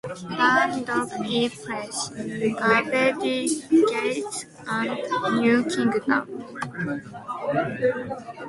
Dawn, Doug E. Fresh, Gravediggaz, and New Kingdom.